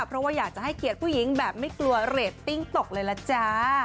เพราะว่าอยากจะให้เกียรติผู้หญิงแบบไม่กลัวเรตติ้งตกเลยล่ะจ้า